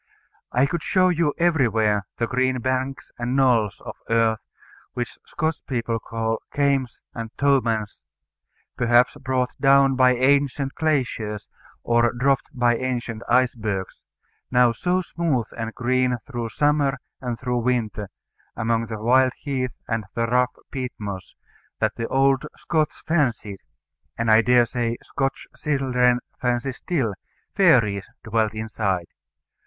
I could show you everywhere the green banks and knolls of earth, which Scotch people call "kames" and "tomans" perhaps brought down by ancient glaciers, or dropped by ancient icebergs now so smooth and green through summer and through winter, among the wild heath and the rough peat moss, that the old Scots fancied, and I dare say Scotch children fancy still, fairies dwelt inside.